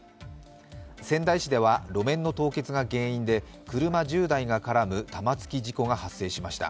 仙台市では路面の凍結が原因で車１０台が絡む玉突き事故が発生しました。